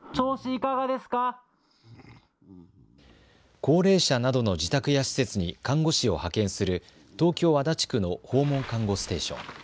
高齢者などの自宅や施設に看護師を派遣する東京足立区の訪問看護ステーション。